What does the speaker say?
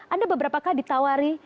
ada beberapakah ditawari